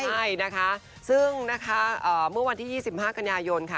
ใช่นะคะซึ่งนะคะเมื่อวันที่๒๕กันยายนค่ะ